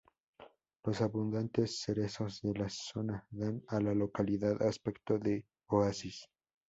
Los abundantes cerezos de la zona dan a la localidad aspecto de oasis.